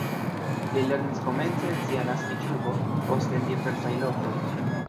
Li lernis komence en sia naskiĝurbo, poste en diversaj lokoj.